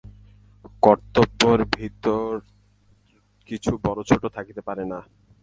কর্তব্যের ভিতর কিছু বড়-ছোট থাকিতে পারে না।